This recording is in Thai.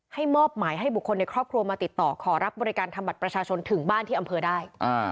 มอบหมายให้บุคคลในครอบครัวมาติดต่อขอรับบริการทำบัตรประชาชนถึงบ้านที่อำเภอได้